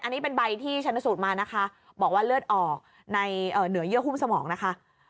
อันนี้เป็นใบที่ชนสูตรมานะคะบอกว่าเลือดออกในเหนือเยื่อหุ้มสมองนะคะ